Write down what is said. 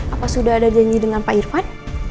apa sudah ada janji dengan pak irfan